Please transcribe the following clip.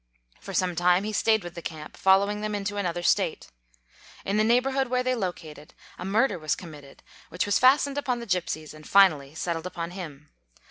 For some time he stayed with the camp, fol lowing them into another State. In the neighborhood where they located, a murder was committed which was fastened upon the gypsies and finally settled upon him.